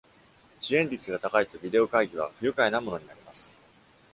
遅延率が高いとビデオ会議は不愉快なものになります。